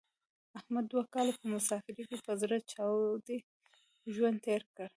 احمد دوه کاله په مسافرۍ کې په زړه چاودې ژوند تېر کړ.